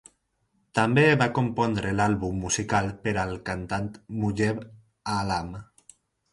També va compondre l'àlbum musical per al cantant Mujeeb Aalam.